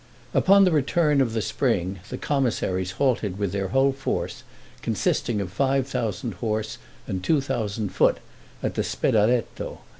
Upon the return of the spring the commissaries halted with their whole force, consisting of five thousand horse and two thousand foot, at the Spedaletto.